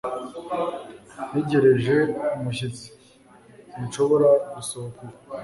Ntegereje umushyitsi, sinshobora gusohoka ubu.